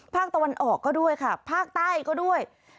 ภาคตะวันออกก็ด้วยค่ะภาคใต้ก็ด้วย